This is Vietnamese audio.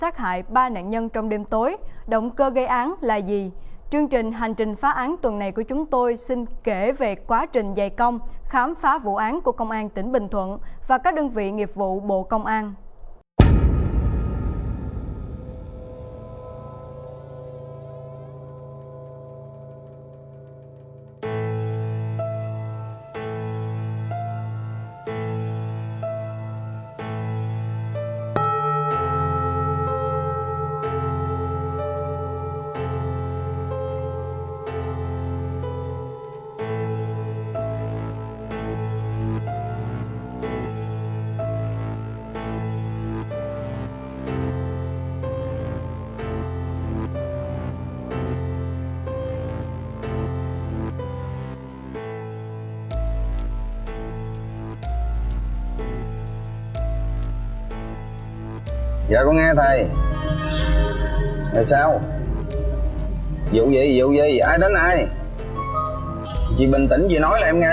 chương trình hành trình phá án tuần này của chúng tôi xin kể về quá trình dày công khám phá vụ án của công an tỉnh bình thuận và các đơn vị nghiệp vụ bộ công an